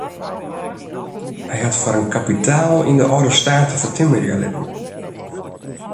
Hy hat foar in kapitaal yn de âlde state fertimmerje litten.